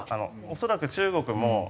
恐らく中国も。